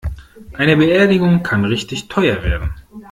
Eine Beerdigung kann richtig teuer werden.